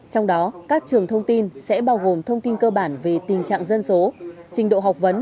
trong đó các trường thông tin sẽ bao gồm thông tin cơ bản về tình trạng dân số trình độ học vấn